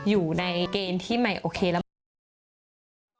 อยู่ในเกณฑ์ที่ไหมโอเคแล้ว